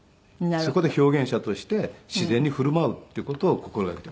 そこで表現者として自然に振る舞うっていう事を心がけています。